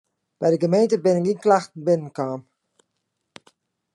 By de gemeente binne gjin klachten binnen kaam.